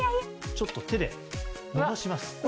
ちょっと手でのばします。